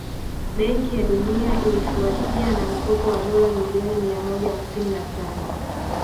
Benki ya Dunia ilifuatia na mkopo wa dola milioni miamoja hamsini na Saba